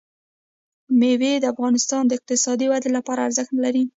مېوې د افغانستان د اقتصادي ودې لپاره ارزښت لري.